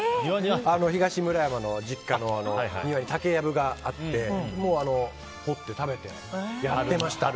東村山の実家の庭に竹藪があって掘って食べて、やってました。